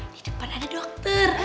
di depan ada dokter